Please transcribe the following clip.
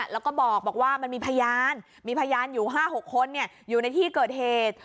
แล้วก็บอกว่ามันมีพยานมีพยานอยู่๕๖คนอยู่ในที่เกิดเหตุ